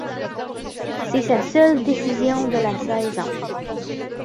C'est sa seule décision de la saison.